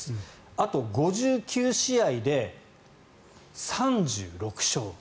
あと５９試合で３６勝。